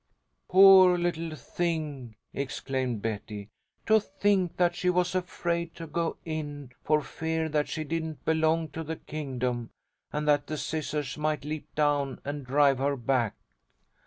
"Poor little thing!" exclaimed Betty. "To think that she was afraid to go in, for fear that she didn't belong to the kingdom, and that the scissors might leap down and drive her back."